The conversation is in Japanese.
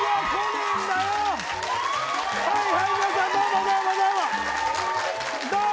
はいはい、皆さんどうも、どうも！